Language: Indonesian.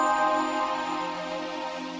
b merdem ntah